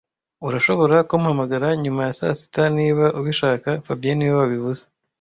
Urashobora kumpamagara nyuma ya saa sita niba ubishaka fabien niwe wabivuze